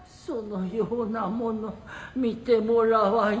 そのようなもの見てもらわ